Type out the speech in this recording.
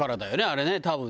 あれね多分ね。